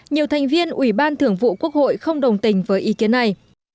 nhiều thành viên ủy ban thưởng vụ quốc hội không đồng tình với ý kiến này